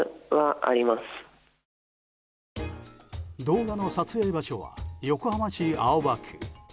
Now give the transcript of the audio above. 動画の撮影場所は横浜市青葉区。